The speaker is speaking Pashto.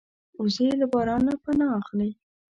وزې له باران نه پناه اخلي